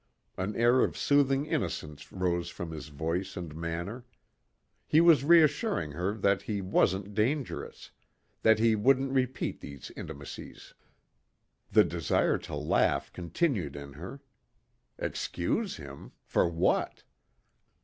An air of soothing innocence rose from his voice and manner. He was reassuring her that he wasn't dangerous, that he wouldn't repeat these intimacies. The desire to laugh continued in her. Excuse him! For what?